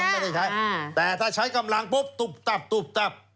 โดนล่ะแต่ถ้าใช้กำลังปุ๊บตุ๊บตั๊บตุ๊บตั๊บ